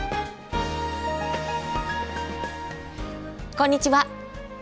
こんにちは。